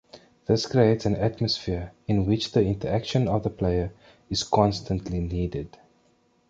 This creates an atmosphere in which the interaction of the player is constantly needed.